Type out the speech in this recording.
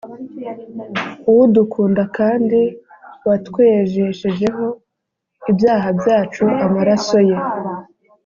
udukunda kandi watwejeshejeho ibyaha byacu amaraso ye,